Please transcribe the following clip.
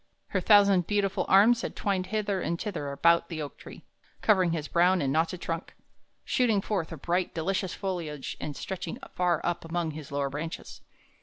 Her thousand beautiful arms had twined hither and thither about the oak tree, covering his brown and knotted trunk, shooting forth a bright, delicious foliage and stretching far up among his lower branches.